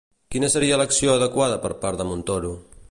Quina seria l'acció adequada per part de Montoro?